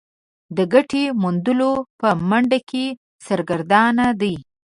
د ګټې موندلو په منډه کې سرګردانه دي.